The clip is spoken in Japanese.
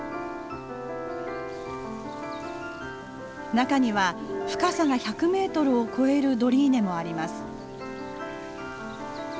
中には深さが１００ｍを超えるドリーネもあります。